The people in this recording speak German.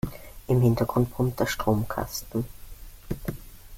Im Hintergrund brummt der Stromkasten.